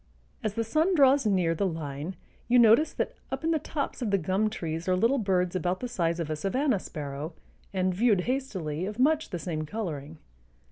As the sun draws near the line you notice that up in the tops of the gum trees are little birds about the size of a savanna sparrow, and, viewed hastily, of much the same coloring.